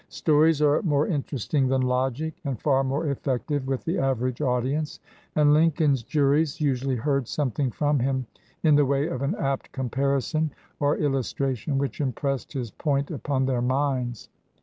Stories are more interesting than logic and far more effective with the average audience, and Lincoln's juries usually heard something from him in the way of an apt comparison or illustration which im pressed his point upon their minds.